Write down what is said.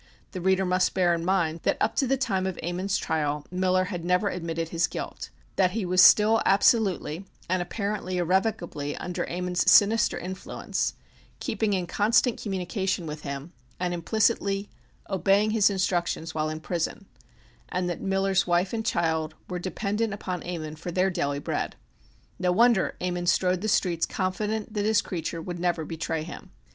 The reader must bear in mind that up to the time of Ammon's trial Miller had never admitted his guilt; that he was still absolutely, and apparently irrevocably, under Ammon's sinister influence, keeping in constant communication with him and implicitly obeying his instructions while in prison; and that Miller's wife and child were dependent upon Ammon for their daily bread. No wonder Ammon strode the streets confident that his creature would never betray him.